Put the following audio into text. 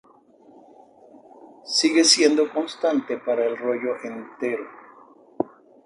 Sigue siendo constante para el rollo entero.